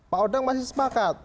pak odang masih sempakat